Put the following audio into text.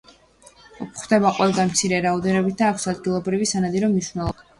გვხვდება ყველგან მცირე რაოდენობით და აქვს ადგილობრივი სანადირო მნიშვნელობა.